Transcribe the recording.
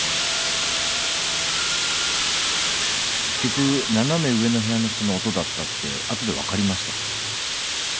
結局斜め上の部屋の人の音だったって後で分かりました。